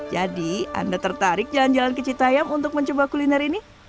jadi anda tertarik jalan jalan ke cita yam untuk mencoba kuliner ini